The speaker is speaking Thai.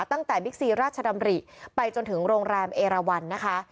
บิ๊กซีราชดำริไปจนถึงโรงแรมเอราวันนะคะ